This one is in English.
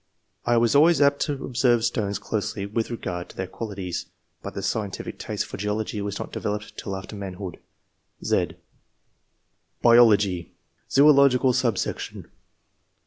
1 was always apt to observe stones closely with regard to their qualities'' [but the scientific taste for geology was not developed tiU after manhood], (z) III.] OBIOIN OF TASTE FOB SCIENCE. 165 BIOLOGY. Zoological Subsection.